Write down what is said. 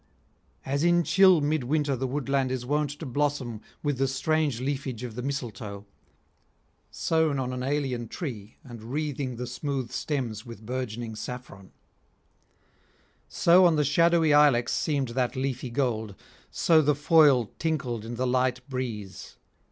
As in chill mid winter the woodland is wont to blossom with the strange leafage of the mistletoe, sown on an alien tree and wreathing the smooth stems with burgeoning saffron; so on the shadowy ilex seemed that leafy gold, so the foil tinkled in the light breeze.